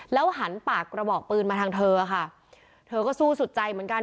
หันปากกระบอกปืนมาทางเธอค่ะเธอก็สู้สุดใจเหมือนกัน